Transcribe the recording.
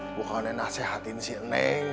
bukannya nasehatin si neng